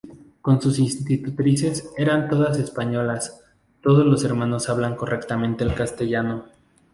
Como sus institutrices eran todas españolas, todos los hermanos hablan correctamente el castellano.